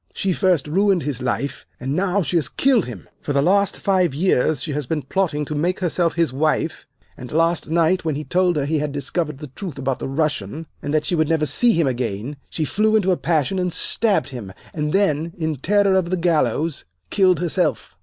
She first ruined his life, and now she has killed him. For the last five years she has been plotting to make herself his wife, and last night, when he told her he had discovered the truth about the Russian, and that she would never see him again, she flew into a passion and stabbed him, and then, in terror of the gallows, killed herself.